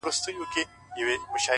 عاجزي د درنو شخصیتونو عادت وي!